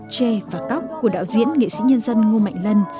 chê và cóc của đạo diễn nghệ sĩ nhân dân ngo mạnh lân